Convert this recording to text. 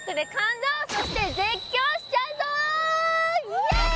イエーイ！